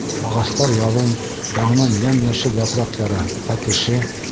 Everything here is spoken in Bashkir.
Ағастар яҙын яңынан йәм-йәшел япраҡ яра, ә кеше...